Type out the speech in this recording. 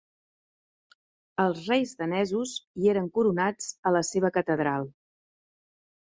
Els reis danesos hi eren coronats a la seva catedral.